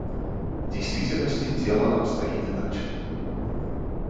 В действительности дело обстоит иначе.